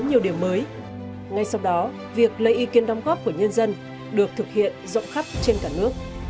ngay sau đó việc lấy ý kiến đóng góp của nhân dân được thực hiện rộng khắp trên cả nước